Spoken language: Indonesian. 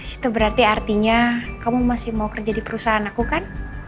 itu berarti artinya kamu masih mau kerja di perusahaan aku kan